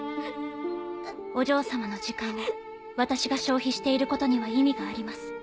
お嬢様の時間を私が消費していることには意味があります。